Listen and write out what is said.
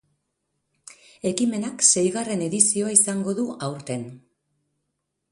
Ekimenak seigarren edizioa izango du aurten.